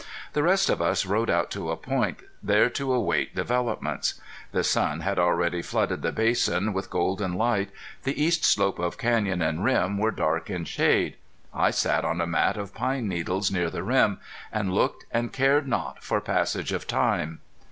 The rest of us rode out to a point there to await developments. The sun had already flooded the basin with golden light; the east slopes of canyon and rim were dark in shade. I sat on a mat of pine needles near the rim, and looked, and cared not for passage of time.